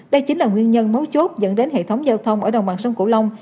đây chính là nguyên nhân mấu chốt dẫn đến hệ thống giao thông ở đồng bằng sông cửu long